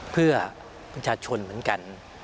เพื่อประชาชนเหมือนกัน